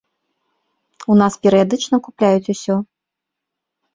У нас перыядычна купляюць усё.